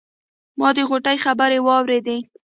ما د غوټۍ خبرې واورېدې.